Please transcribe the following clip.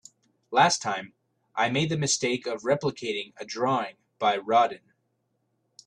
Last time, I made the mistake of replicating a drawing by Rodin.